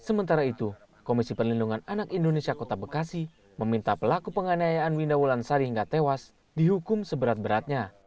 sementara itu komisi perlindungan anak indonesia kota bekasi meminta pelaku penganiayaan winda wulansari hingga tewas dihukum seberat beratnya